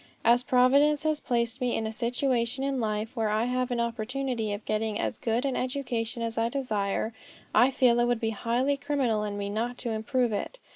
As Providence has placed me in a situation in life where I have an opportunity of getting as good an education as I desire, I feel it would be highly criminal in me not to improve it.